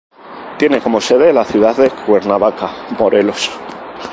Tiene como sede la ciudad de Cuernavaca, Morelos.